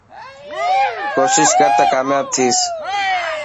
ڪوشش ڪر ته ڪامياب ٿيس.